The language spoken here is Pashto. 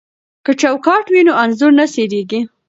که چوکاټ وي نو انځور نه څیریږي.